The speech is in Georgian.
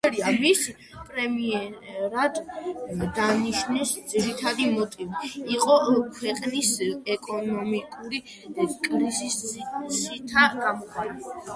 მისი პრემიერად დანიშვნის ძირითადი მოტივი იყო ქვეყნის ეკონომიკური კრიზისიდან გამოყვანა.